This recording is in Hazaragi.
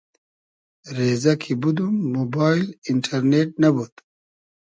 رېزۂ کی بودوم موبایل اینݖئرنېݖ نئبود